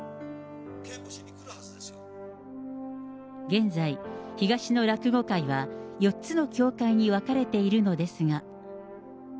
現在、東の落語会は４つの協会に分かれているのですが。